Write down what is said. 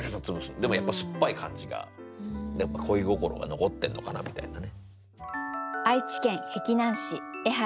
でもやっぱ酸っぱい感じがやっぱ恋心が残ってんのかなみたいなね。